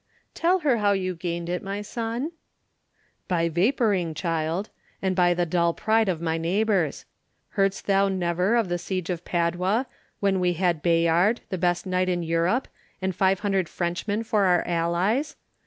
"Tell her how you had gained it, my son." "By vapouring, child; and by the dull pride of my neighbours. Heard'st thou never of the siege of Padua, when we had Bayard, the best knight in Europe, and 500 Frenchmen for our allies?